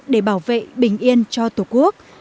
để bảo vệ bình yên cho tổ quốc